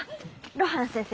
露伴先生